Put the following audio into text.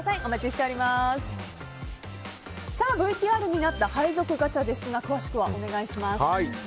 ＶＴＲにあった配属ガチャですが詳しくは、お願いします。